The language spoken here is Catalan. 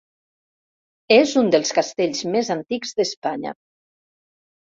És un dels castells més antics d'Espanya.